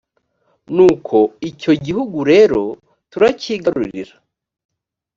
nuko icyo gihugu rero turakigarurira.